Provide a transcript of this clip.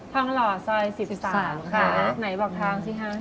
หล่อซอย๔๓ค่ะไหนบอกทางสิคะ